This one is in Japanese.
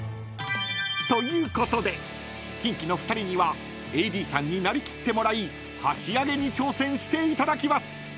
［ということでキンキの２人にはＡＤさんに成り切ってもらい箸あげに挑戦していただきます！］